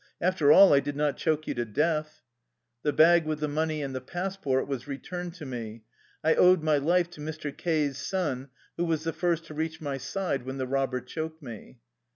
After all I did not choke you to death." The bag with the money and the passport was returned to me. I owed my life to Mr. К 's son, who was the first to reach my side when the robber choked me.